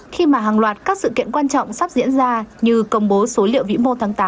khi mà hàng loạt các sự kiện quan trọng sắp diễn ra như công bố số liệu vĩ mô tháng tám